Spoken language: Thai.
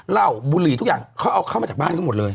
เหล้าบุหรี่ทุกอย่างเขาเอาเข้ามาจากบ้านเขาหมดเลย